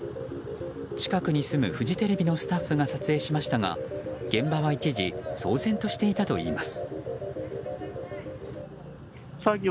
近くに住むフジテレビのスタッフが撮影しましたが現場は一時、騒然としていたといいます。